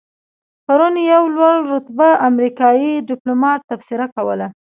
پرون یو لوړ رتبه امریکایي دیپلومات تبصره کوله.